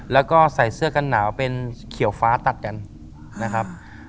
แล้วก็ใส่เสื้อกันหนาวเป็นเขียวฟ้าตัดกันนะครับ